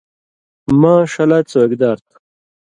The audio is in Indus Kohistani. مہ ݜَلہ څَوکیدار تُھو۔